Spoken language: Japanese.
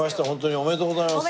おめでとうございます。